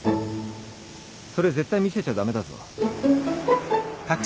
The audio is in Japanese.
それ絶対見せちゃ駄目だぞ。